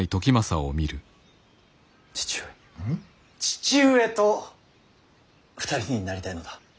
父上と２人になりたいのだ。